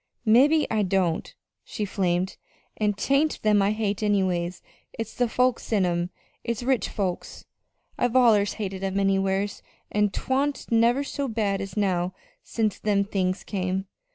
"Mebbe I don't," she flamed, "an' 'tain't them I hate, anyway it's the folks in 'em. It's rich folks. I've allers hated 'em anywheres, but 'twa'n't never so bad as now since them things came.